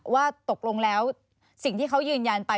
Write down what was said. ว่าตกลงแล้วสิ่งที่เขายืนยันไป